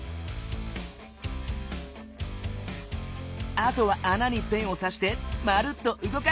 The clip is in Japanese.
あとはあなにペンをさしてまるっとうごかしてみよう。